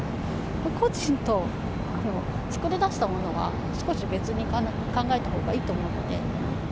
個人と作り出したものは少し別に考えたほうがいいと思うので。